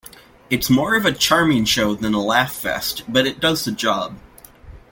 It's more of a charming show than a laughfest, but it does the job.